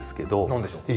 何でしょう？